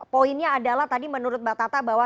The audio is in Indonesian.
poinnya adalah tadi menurut mbak tata bahwa